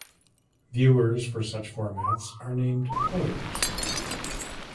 Viewers for such formats are named players.